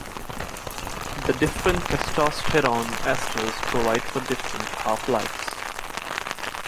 The different testosterone esters provide for different half lives.